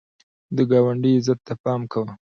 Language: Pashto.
د ګاونډي عزت ته پام کوه